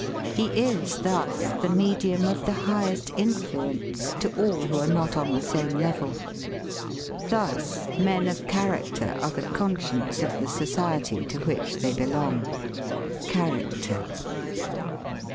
He is thus the medium of the highest influence to all who are not on the same level. Thus men of character are the conscience of the society to which they belong." Character.